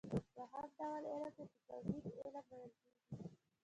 دوهم ډول علم ته د توحيد علم ويل کېږي .